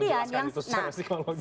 balis menjelaskan itu secara psikologi